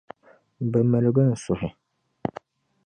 Bɛ miligi n suhu.